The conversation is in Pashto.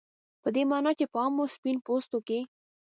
په دې معنا چې په عامو سپین پوستو کې